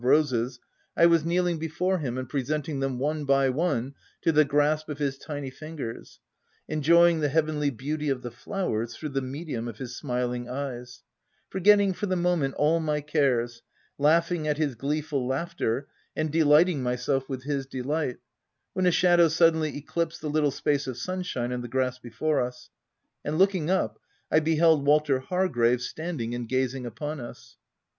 175 roses, I was kneeling before him, and presenting them, cne by one, to the grasp of his tiny fingers ; enjoying the heavenly beauty of the flowers, through the medium of his smiling eyes ; forgetting, for the moment, all my cares, laughing at his gleeful laughter, and delighting myself with his delight, — when a shadow sud denly eclipsed the little space of sunshine on the grass before us ; and, looking up, I beheld Walter Hargrave standing and gazing upon us.